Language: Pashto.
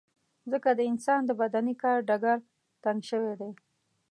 ځکه د انسان د بدني کار ډګر تنګ شوی دی.